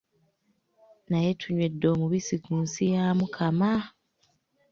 Naye tunywedde omubisi ku nsi ya Mukama!